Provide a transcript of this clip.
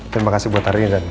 terima kasih buat hari ini